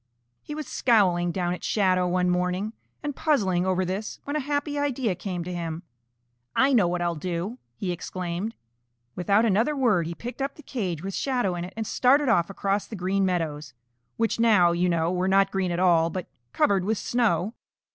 He was scowling down at Shadow one morning and puzzling over this when a happy idea came to him. "I know what I'll do!" he exclaimed. Without another word he picked up the cage with Shadow in it and started off across the Green Meadows, which now, you know, were not green at all but covered with snow.